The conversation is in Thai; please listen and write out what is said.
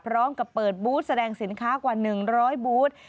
พร้อมกับเปิดบูธแสดงสินค้ากว่า๑๐๐บูธ